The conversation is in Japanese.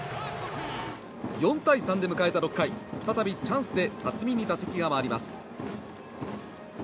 ４対３で迎えた６回再びチャンスで辰己に打席が回ります。